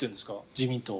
自民党。